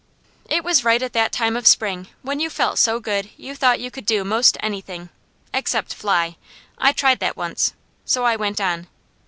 It was right at that time of spring when you felt so good you thought you could do most anything, except fly I tried that once so I went on.